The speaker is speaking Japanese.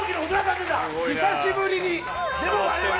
久しぶりに。